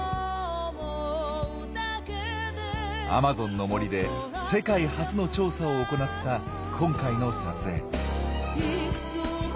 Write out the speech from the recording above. アマゾンの森で世界初の調査を行った今回の撮影。